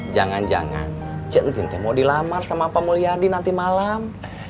jangan jangan cintin mau dilamar sama pemulihan di nanti malam